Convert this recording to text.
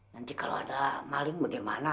nanti kalau ada maling bagaimana